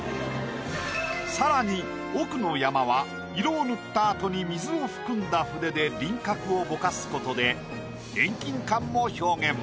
更に奥の山は色を塗ったあとに水を含んだ筆で輪郭をボカスことで遠近感も表現。